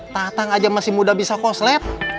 tatang aja masih muda bisa koslet